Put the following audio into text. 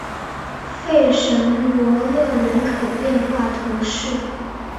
弗什罗勒人口变化图示